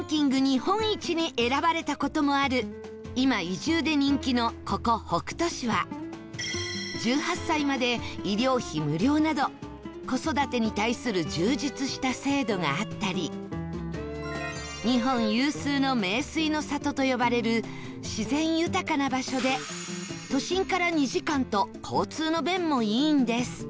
日本一に選ばれた事もある今移住で人気のここ北杜市は１８歳まで医療費無料など子育てに対する充実した制度があったり日本有数の名水の里と呼ばれる自然豊かな場所で都心から２時間と交通の便もいいんです